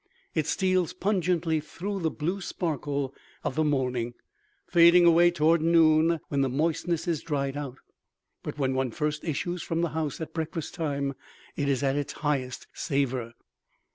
It steals pungently through the blue sparkle of the morning, fading away toward noon when the moistness is dried out. But when one first issues from the house at breakfast time it is at its highest savor.